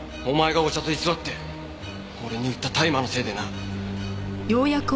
お前がお茶と偽って俺に売った大麻のせいでな。